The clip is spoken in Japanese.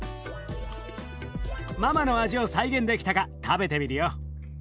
ママの味を再現できたか食べてみるよ。